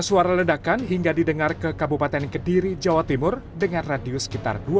suara ledakan hingga didengar ke kabupaten kediri jawa timur dengan radius sekitar